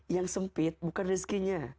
yang sempit bukan rezekinya